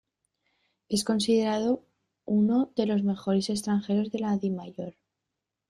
Es considerado un de los mejores extranjeros de la Dimayor.